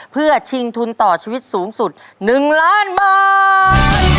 เพื่อชิงทุนต่อชีวิตสูงสุด๑ล้านบาท